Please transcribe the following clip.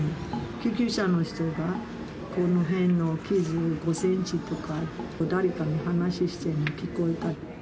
救急車の人がこの辺の傷、５センチとか誰かに話してるの聞こえた。